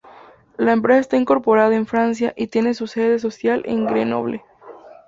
La empresa está incorporada en Francia y tiene su sede social en Grenoble.